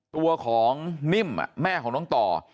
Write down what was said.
ตัวของนิ่มแม่ของน้องต่อ